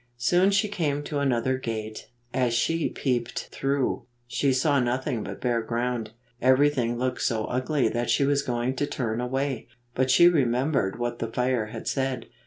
Soon she came to another gate. As she peeped through, she saw nothing but bare ground. Everything looked so ugly that she was going to turn away, but she re membered what the fire had said.